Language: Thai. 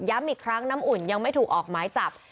อีกครั้งน้ำอุ่นยังไม่ถูกออกหมายจับ